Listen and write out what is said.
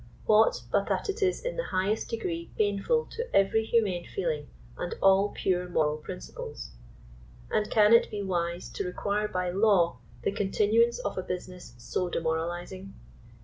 What, but that it is in the highest degree baneful to every humane feeling and all pure moral principles ? And can it be wise to rf^quire by law the continuance of a business so demoralizing